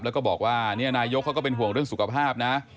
แล้วก็บอกว่านายกเขาก็เป็นห่วงเรื่องสุขภาพนะ